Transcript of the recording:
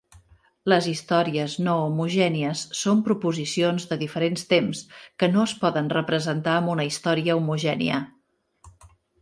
Les "històries no homogènies" són proposicions de diferents temps que no es poden representar amb una història homogènia.